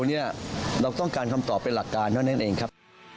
เราต้องการคำตอบเป็นหลักการเท่านั้นเองครับ